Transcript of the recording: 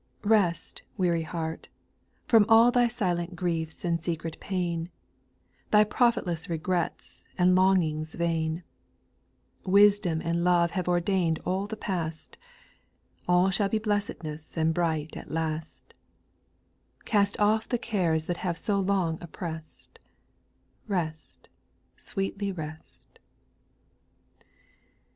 Rest, weary heart 1 From all thy silent griefs and secret pain, Thy profitless regrets and longings vain ; Wisdom and love have ordered all the past ; All shall be blessedness and bright at last ; Cast off the cares that have so long opprest, Rest, sweetly rest I 8.